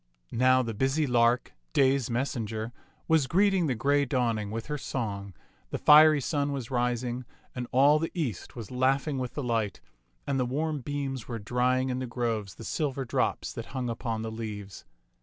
Now the busy lark, day's messenger, was greeting the gray dawning with her song, the fiery sun was ris ing, and all the east was laughing with the light, and the warm beams were drying in the groves the silver drops that hung upon the leaves.